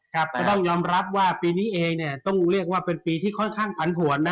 ก็ต้องยอมรับว่าปีนี้เองต้องเรียกว่าเป็นปีที่ค่อนข้างผันผวนนะ